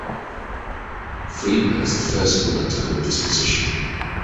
Freedman is the first woman to hold this position.